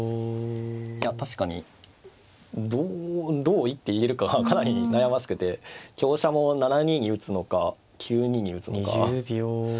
いや確かにどう一手入れるかはかなり悩ましくて香車も７二に打つのか９二に打つのか。